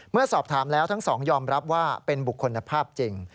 เมื่อสอบถามแล้วทั้งสองยอมรับว่าเป็นบุคคลภาพจริง